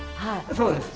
そうです。